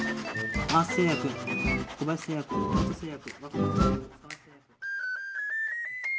アース製薬小林製薬ロート製薬。